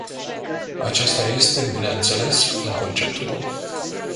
Acesta este, bineînțeles, un concept bun.